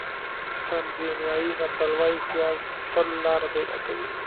تانزانیایي متل وایي هوښیار تل لاره پیدا کوي.